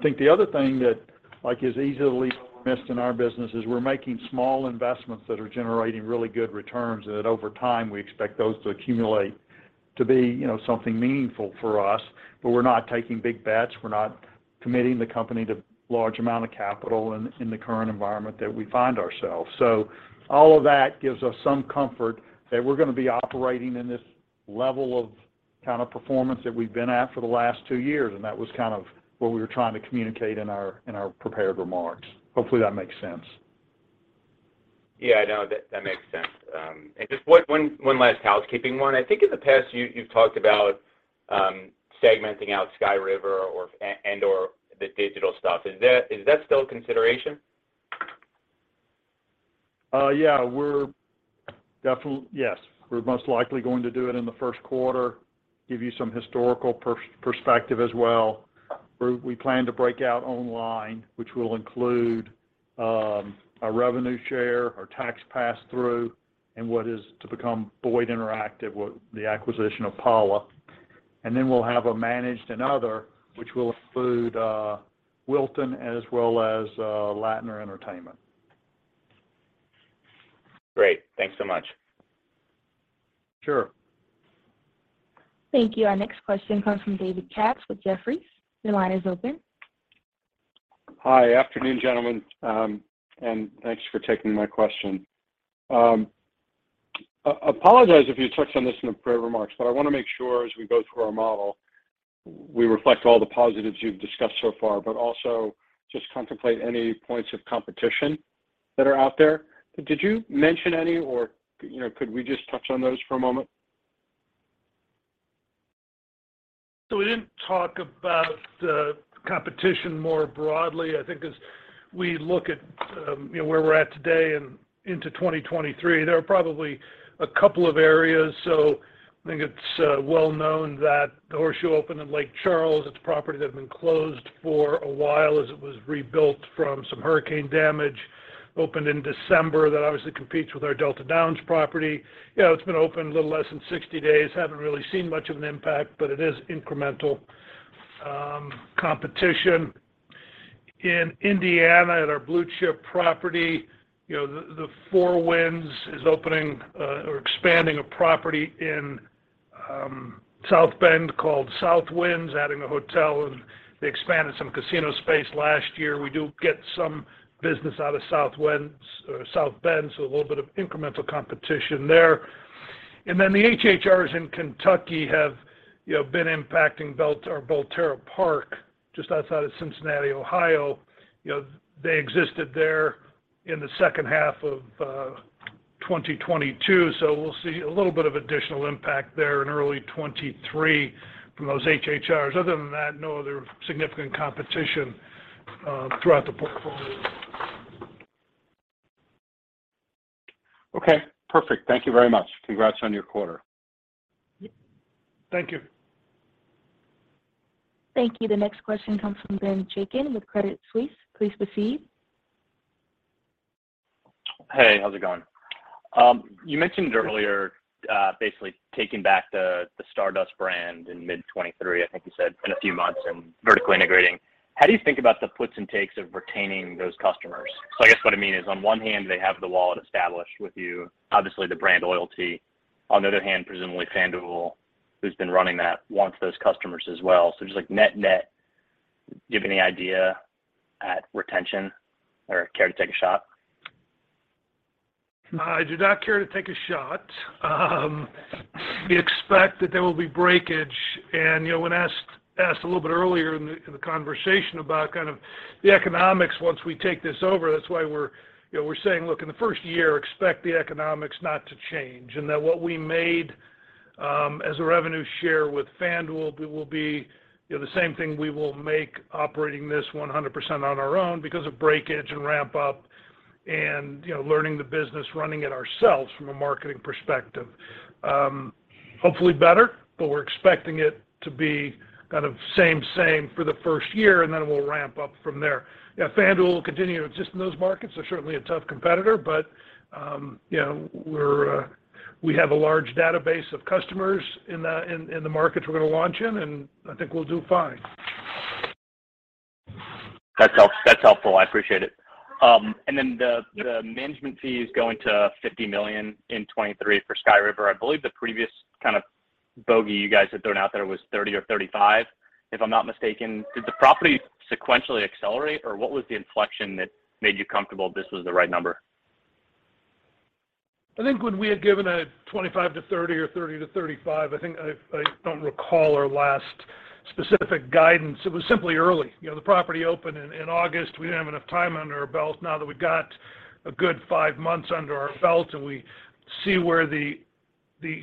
think the other thing that, like, is easily missed in our business is we're making small investments that are generating really good returns, and that over time, we expect those to accumulate to be, you know, something meaningful for us. We're not taking big bets. We're not committing the company to large amount of capital in the current environment that we find ourselves. All of that gives us some comfort that we're gonna be operating in this level of kind of performance that we've been at for the last two years, and that was kind of what we were trying to communicate in our, in our prepared remarks. Hopefully, that makes sense. Yeah. No, that makes sense. Just one last housekeeping one. I think in the past you've talked about segmenting out Sky River and/or the digital stuff. Is that still a consideration? Yeah. Yes. We're most likely going to do it in the first quarter, give you some historical perspective as well, where we plan to break out online, which will include our revenue share, our tax passthrough, and what is to become Boyd Interactive with the acquisition of Pala. Then we'll have a managed and other, which will include Wilton as well as Lattner Entertainment. Great. Thanks so much. Sure. Thank you. Our next question comes from David Katz with Jefferies. Your line is open. Hi. Afternoon, gentlemen. Thanks for taking my question. Apologize if you touched on this in the prepared remarks, but I wanna make sure as we go through our model, we reflect all the positives you've discussed so far, but also just contemplate any points of competition that are out there. Did you mention any or, you know, could we just touch on those for a moment? We didn't talk about the competition more broadly. I think as we look at, you know, where we're at today and into 2023, there are probably a couple of areas. I think it's well known that the Horseshoe opened in Lake Charles. It's a property that had been closed for a while as it was rebuilt from some hurricane damage, opened in December. That obviously competes with our Delta Downs property. You know, it's been open a little less than 60 days. Haven't really seen much of an impact, but it is incremental competition. In Indiana at our Blue Chip property, you know, The Four Winds is opening or expanding a property in South Bend called South Winds, adding a hotel, and they expanded some casino space last year. We do get some business out of Four Winds, South Bend, so a little bit of incremental competition there. The HHRs in Kentucky have, you know, been impacting Belterra Park just outside of Cincinnati, Ohio. You know, they existed there in the second half of 2022, we'll see a little bit of additional impact there in early 2023 from those HHRs. Other than that, no other significant competition throughout the portfolio. Okay, perfect. Thank you very much. Congrats on your quarter. Thank you. Thank you. The next question comes from Ben Chaiken with Credit Suisse. Please proceed. Hey, how's it going? You mentioned earlier, basically taking back the Stardust brand in mid-2023, I think you said, in a few months and vertically integrating. How do you think about the puts and takes of retaining those customers? I guess what I mean is on one hand, they have the wallet established with you, obviously the brand loyalty. On the other hand, presumably FanDuel, who's been running that wants those customers as well. Just like net-net, do you have any idea at retention or care to take a shot? I do not care to take a shot. We expect that there will be breakage. You know, when asked a little bit earlier in the, in the conversation about kind of the economics once we take this over, that's why we're, you know, we're saying, look, in the first year, expect the economics not to change, and that what we made, as a revenue share with FanDuel, we will be, you know, the same thing we will make operating this 100% on our own because of breakage and ramp up and, you know, learning the business, running it ourselves from a marketing perspective. Hopefully better, but we're expecting it to be kind of same for the first year, and then we'll ramp up from there. FanDuel will continue to exist in those markets. They're certainly a tough competitor, but, you know, we're, we have a large database of customers in the markets we're gonna launch in, and I think we'll do fine. That's helpful. I appreciate it. The management fee is going to $50 million in 2023 for Sky River. I believe the previous kind of bogey you guys had thrown out there was $30 million or $35 million, if I'm not mistaken. Did the property sequentially accelerate, or what was the inflection that made you comfortable this was the right number? I think when we had given a $25 million-$30 million or $30 million-$35 million, I don't recall our last specific guidance. It was simply early. You know, the property opened in August. We didn't have enough time under our belt. Now that we've got a good five months under our belt, and we see where the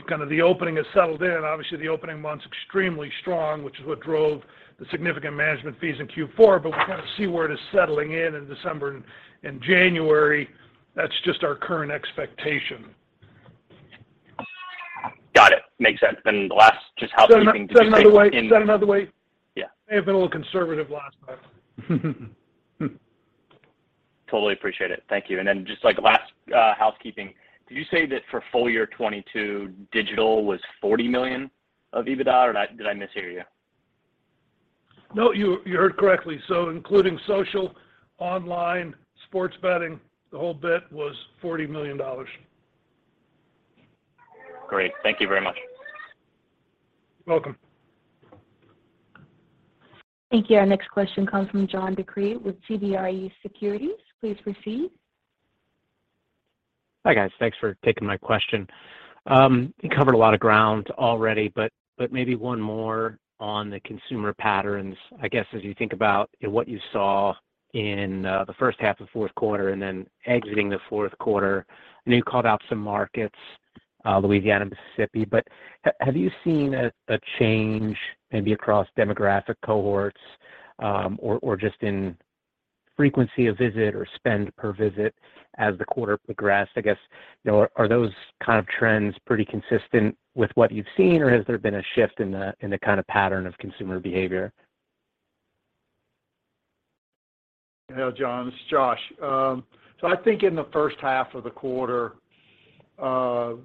kind of the opening has settled in, obviously, the opening month's extremely strong, which is what drove the significant management fees in Q4. We kind of see where it is settling in in December and January. That's just our current expectation. Got it. Makes sense. Last, just housekeeping. Said another way. Yeah. May have been a little conservative last time. Totally appreciate it. Thank you. Then just like last housekeeping, did you say that for full year 2022, digital was $40 million of EBITDA, or did I mishear you? No, you heard correctly. Including social, online, sports betting, the whole bit was $40 million. Great. Thank you very much. You're welcome. Thank you. Our next question comes from John DeCree with CBRE Securities. Please proceed. Hi, guys. Thanks for taking my question. You covered a lot of ground already, but maybe one more on the consumer patterns, I guess, as you think about what you saw in the first half of fourth quarter and then exiting the fourth quarter. I know you called out some markets, Louisiana, Mississippi, but have you seen a change maybe across demographic cohorts, or just in frequency of visit or spend per visit as the quarter progressed? I guess, you know, are those kind of trends pretty consistent with what you've seen, or has there been a shift in the kind of pattern of consumer behavior? Yeah, John, this is Josh. I think in the 1st half of the quarter, the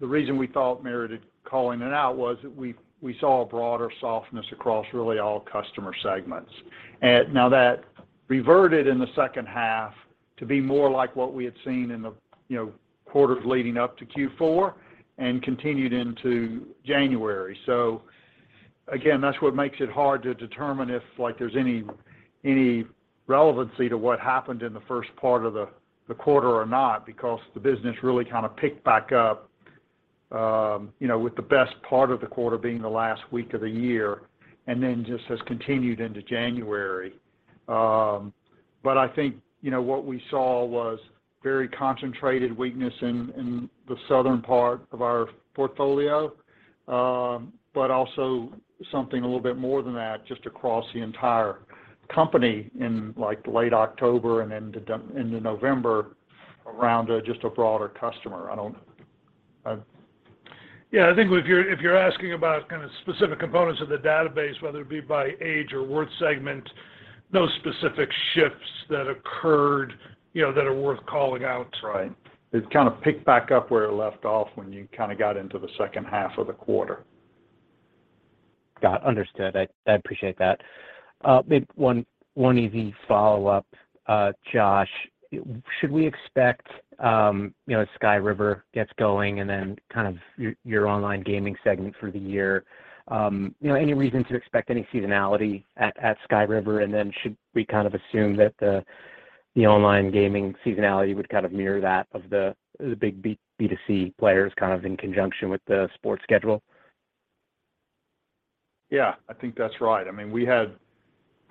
reason we thought merited calling it out was that we saw a broader softness across really all customer segments. Now that reverted in the 2nd half to be more like what we had seen in the, you know, quarters leading up to Q4 and continued into January. Again, that's what makes it hard to determine if, like, there's any relevancy to what happened in the 1st part of the quarter or not, because the business really kind of picked back up, you know, with the best part of the quarter being the last week of the year, and then just has continued into January. I think, you know, what we saw was very concentrated weakness in the southern part of our portfolio, but also something a little bit more than that just across the entire company in like late October and into November around, just a broader customer. I don't. Yeah. I think if you're, if you're asking about kind of specific components of the database, whether it be by age or worth segment, no specific shifts that occurred, you know, that are worth calling out. Right. It kind of picked back up where it left off when you kind of got into the second half of the quarter. Got it. Understood. I appreciate that. Maybe one easy follow-up, Josh. Should we expect, you know, Sky River gets going and then kind of your online gaming segment for the year, you know, any reason to expect any seasonality at Sky River? Should we kind of assume that the online gaming seasonality would kind of mirror that of the big B2C players kind of in conjunction with the sports schedule? Yeah, I think that's right. I mean, we have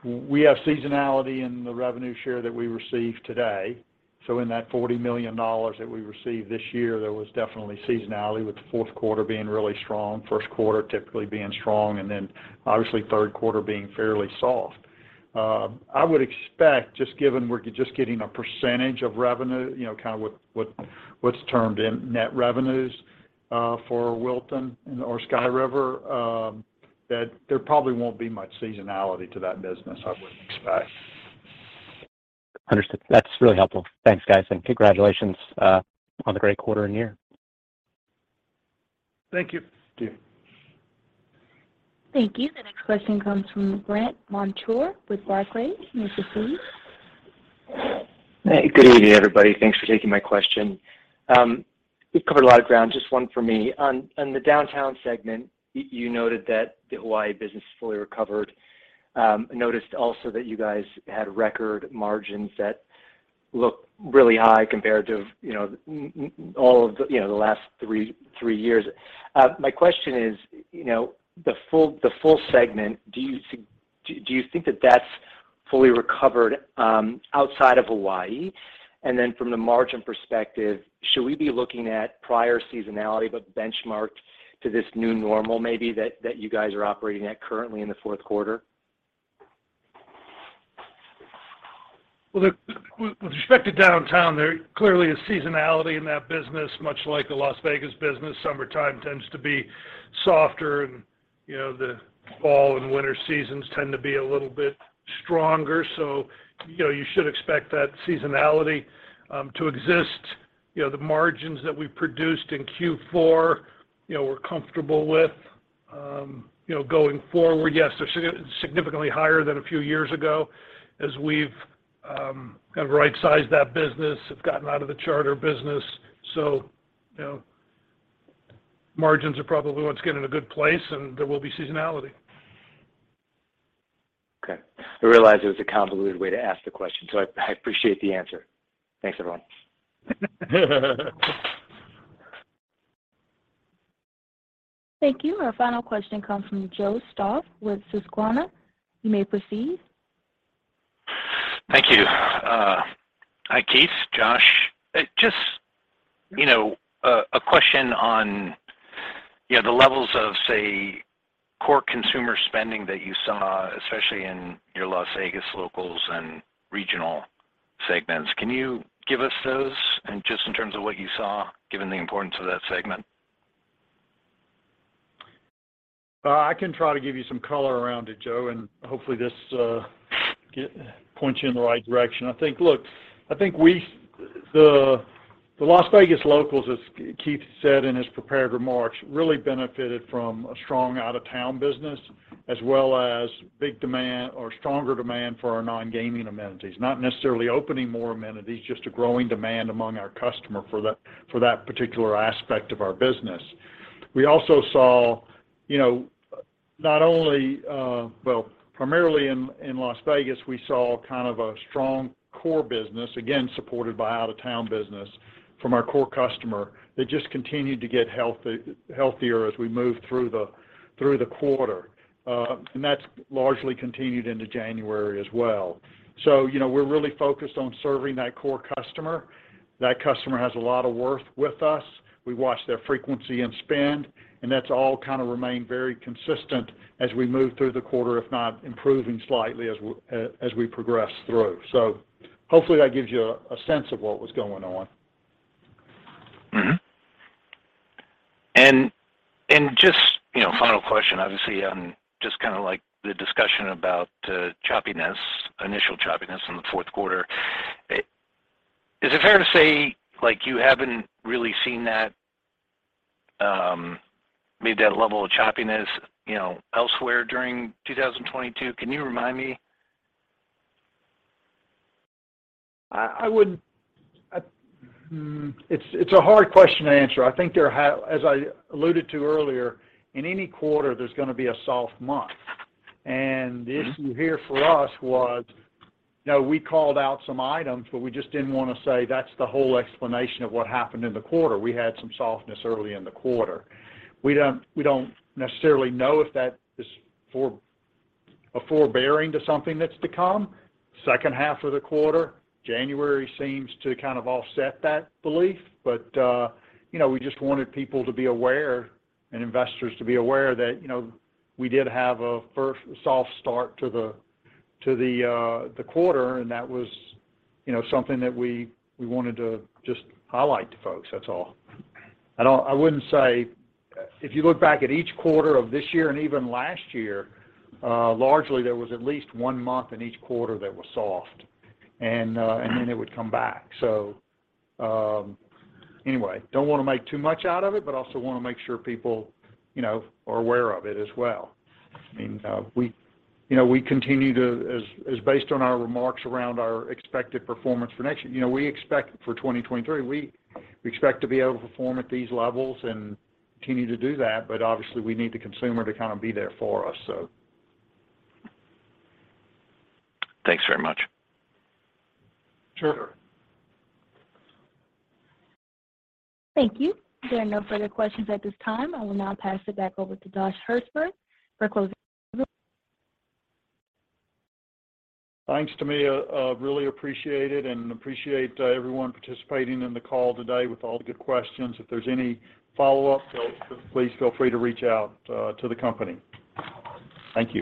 seasonality in the revenue share that we receive today. In that $40 million that we received this year, there was definitely seasonality with the fourth quarter being really strong, first quarter typically being strong, and then obviously third quarter being fairly soft. I would expect just given we're just getting a percentage of revenue, you know, kind of what's termed in net revenues, for Wilton or Sky River, that there probably won't be much seasonality to that business, I wouldn't expect. Understood. That's really helpful. Thanks, guys, and congratulations, on the great quarter and year. Thank you. Thank you. Thank you. The next question comes from Brandt Montour with Barclays. You may proceed. Hey, good evening, everybody. Thanks for taking my question. You've covered a lot of ground. Just one for me. On the downtown segment, you noted that the Hawaii business is fully recovered. Noticed also that you guys had record margins that look really high compared to, you know, all of the, you know, the last three years. My question is, you know, the full segment, do you think that that's fully recovered outside of Hawaii? From the margin perspective, should we be looking at prior seasonality but benchmarked to this new normal maybe that you guys are operating at currently in the fourth quarter? With respect to downtown, there clearly is seasonality in that business, much like the Las Vegas business. Summertime tends to be softer and, you know, the fall and winter seasons tend to be a little bit stronger. You know, you should expect that seasonality to exist. You know, the margins that we produced in Q4, you know, we're comfortable with. You know, going forward, yes, they're significantly higher than a few years ago as we've kind of right-sized that business, have gotten out of the charter business. You know, margins are probably what's getting in a good place, and there will be seasonality. Okay. I realize it was a convoluted way to ask the question, I appreciate the answer. Thanks, everyone. Thank you. Our final question comes from Joe Stauff with Susquehanna. You may proceed. Thank you. Hi, Keith, Josh. Just, you know, a question on, you know, the levels of, say, core consumer spending that you saw, especially in your Las Vegas locals and regional segments. Can you give us those and just in terms of what you saw, given the importance of that segment? I can try to give you some color around it, Joe, and hopefully this points you in the right direction. The Las Vegas locals, as Keith said in his prepared remarks, really benefited from a strong out-of-town business as well as big demand or stronger demand for our non-gaming amenities. Not necessarily opening more amenities, just a growing demand among our customer for that, for that particular aspect of our business. We also saw, you know, not only primarily in Las Vegas, we saw kind of a strong core business, again, supported by out-of-town business from our core customer, that just continued to get healthy, healthier as we moved through the quarter. That's largely continued into January as well. You know, we're really focused on serving that core customer. That customer has a lot of worth with us. We watch their frequency and spend, that's all kinda remained very consistent as we move through the quarter, if not improving slightly as we progress through. Hopefully that gives you a sense of what was going on. Just, you know, final question, obviously on just kinda like the discussion about choppiness, initial choppiness in the fourth quarter, is it fair to say, like, you haven't really seen that, maybe that level of choppiness, you know, elsewhere during 2022? Can you remind me? I would. It's a hard question to answer. I think as I alluded to earlier, in any quarter, there's gonna be a soft month. The issue here for us was, you know, we called out some items, but we just didn't wanna say that's the whole explanation of what happened in the quarter. We had some softness early in the quarter. We don't necessarily know if that is a forbearing to something that's to come. Second half of the quarter, January seems to kind of offset that belief. You know, we just wanted people to be aware and investors to be aware that, you know, we did have a soft start to the quarter, and that was, you know, something that we wanted to just highlight to folks. That's all. I wouldn't say, if you look back at each quarter of this year and even last year, largely there was at least one month in each quarter that was soft, and then it would come back. Anyway, don't wanna make too much out of it, but also wanna make sure people, you know, are aware of it as well. We, you know, we continue to as based on our remarks around our expected performance for next year, you know, we expect for 2023, we expect to be able to perform at these levels and continue to do that. Obviously, we need the consumer to kinda be there for us, so. Thanks very much. Sure. Thank you. There are no further questions at this time. I will now pass it back over to Josh Hirsberg for closing remarks. Thanks, Tamia. really appreciate it and appreciate everyone participating in the call today with all the good questions. If there's any follow-up, please feel free to reach out to the company. Thank you.